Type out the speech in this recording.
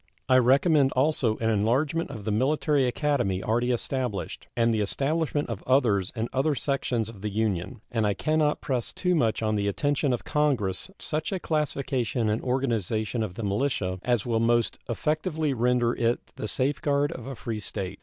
I recommend also an enlargement of the Military Academy already established, and the establishment of others in other sections of the Union; and I can not press too much on the attention of Congress such a classification and organization of the militia as will most effectually render it the safeguard of a free state.